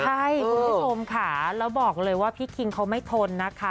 ใช่คุณผู้ชมค่ะแล้วบอกเลยว่าพี่คิงเขาไม่ทนนะคะ